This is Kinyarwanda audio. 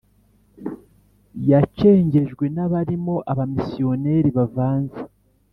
yacengejwe n’abarimo abamisiyoneri bavanze